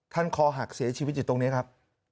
คอหักเสียชีวิตอยู่ตรงนี้ครับ